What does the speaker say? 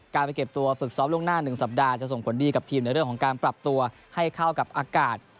การไปเก็บตัวฝึกซ้อมล่วงหน้า๑สัปดาห์จะส่งผลดีกับทีมในเรื่องของการปรับตัวให้เข้ากับอากาศ